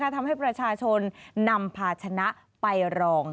ทำให้ประชาชนนำพาชนะไปรอง